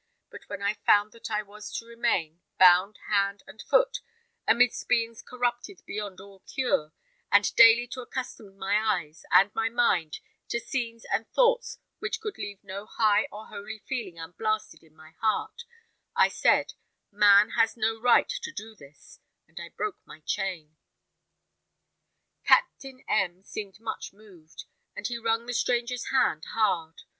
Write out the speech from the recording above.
But when I found that I was to remain, bound hand and foot, amidst beings corrupted beyond all cure, and daily to accustom my eyes and my mind to scenes and thoughts which could leave no high or holy feeling unblasted in my heart, I said, 'Man has no right to do this,' and I broke my chain." Captain M seemed much moved, and he wrung the stranger's hand hard.